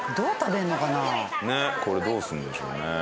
これどうすんでしょうね